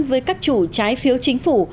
với các chủ trái phiếu chính phủ